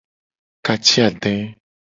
Ka ci ade.